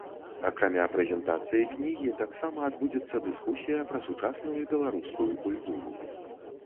Акрамя прэзентацыі кнігі таксама адбудзецца дыскусія пра сучасную беларускую культуру.